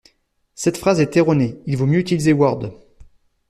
Cette phrase est erronée : il vaut mieux utiliser Word